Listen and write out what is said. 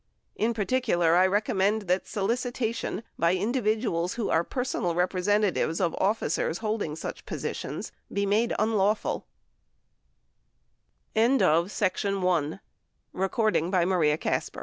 In particular, I recommend that solicitation by individuals who are personal representatives of officers holding such positions be made un lawful. 19 B. American Ship Building Co.